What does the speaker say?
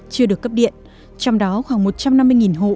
chưa được cấp điện trong đó khoảng một trăm năm mươi hộ